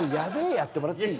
やってもらっていい？